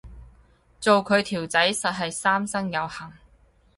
做佢條仔實係三生有幸